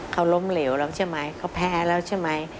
เขาล้มเหลวแล้วใช่ไหมเขาแพ้แล้วใช่ไหม